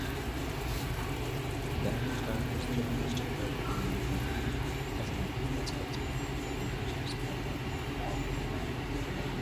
Barry started his journalistic career in London, as an economics correspondent for Investors Chronicle.